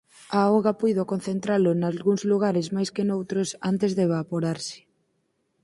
A auga puido concentralo nalgúns lugares máis que noutros antes de evaporarse.